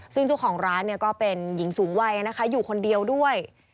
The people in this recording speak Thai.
ซึ่งเจ้าของร้านก็เป็นหญิงสูงวัยนะคะอยู่คนเดียวด้วย